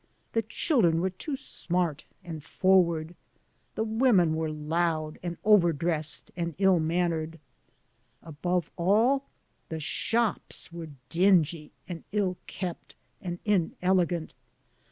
The children were too smart and forward; the women were loud and over dressed and ill mannered; above all, the shops were dingy and ill kept and inelegant.